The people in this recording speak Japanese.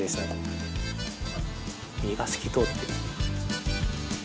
身が透き通ってる。